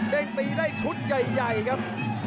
ได้ตีได้ชุดใหญ่ครับ